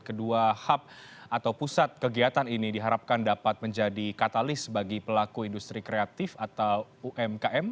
kedua hub atau pusat kegiatan ini diharapkan dapat menjadi katalis bagi pelaku industri kreatif atau umkm